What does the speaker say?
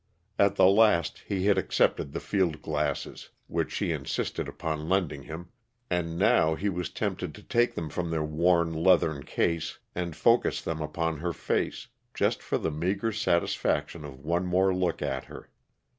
At the last he had accepted the field glasses, which she insisted upon lending him, and now he was tempted to take them from their worn, leathern case and focus them upon her face, just for the meager satisfaction of one more look at her.